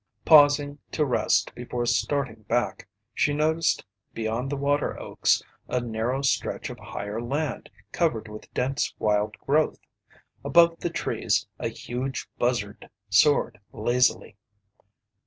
Pausing to rest before starting back, she noticed beyond the water oaks a narrow stretch of higher land covered with dense, wild growth. Above the trees a huge buzzard soared lazily.